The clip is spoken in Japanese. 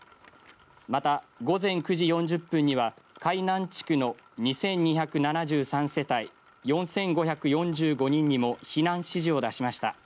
また午前９時４０分には海南地区の２２７３世帯４５４５人にも避難指示を出しました。